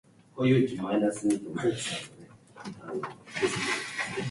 姉は起きるのが遅い